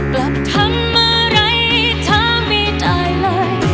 กลับทำอะไรเธอไม่จ่ายเลย